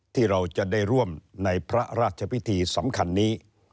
ที่เราจะได้ร่วมในพระราชพิธีสำคัญนี้